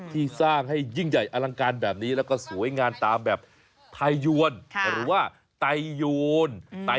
ที่สร้างให้ยิ่งใหญ่อลังการแบบนี้แล้วก็สวยงามตามแบบไทยยวนหรือว่าไตโยน